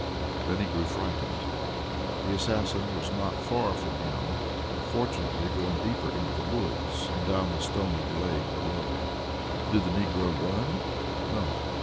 Then he grew frightened. The assassin was not far from him, but, fortunately, going deeper into the woods, and down toward the stony glade below. Did the negro run? No.